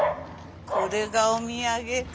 これがお土産か？